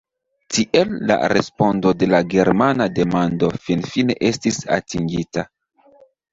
Tiel la respondo de la germana demando finfine estis atingita.